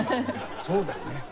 そうだよね。